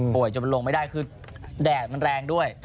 จนมันลงไม่ได้คือแดดมันแรงด้วย